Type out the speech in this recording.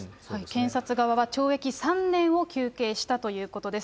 検察側は、懲役３年を求刑したということです。